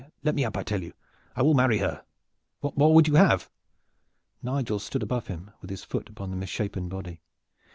Let me up! I tell you I will marry her! What more would you have?" Nigel stood above him with his foot upon his misshapen body.